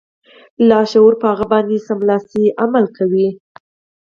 لاشعور په هغه باندې سملاسي عمل کوي